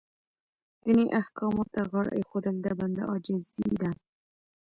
دیني احکامو ته غاړه ایښودل د بنده عاجزي ده.